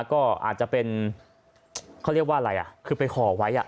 ก็อาจจะเป็นเขาเรียกว่าอะไรอ่ะคือไปขอไว้อ่ะ